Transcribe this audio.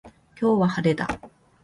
今日は晴れだ。